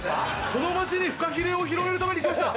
この街にフカヒレを広めるために来ました。